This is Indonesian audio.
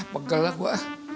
pegel lah gue